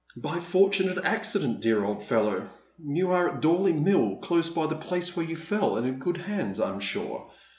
"" By a fortunate accident, dear old fellow. You are at Dorley Mill, close by the place where you fell, and in good hands, I am sure.